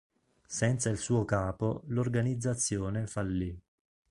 Senza il suo capo l'organizzazione fallì.